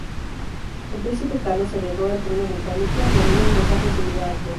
El príncipe Carlos, heredero al trono británico, le envió un mensaje similar a Key.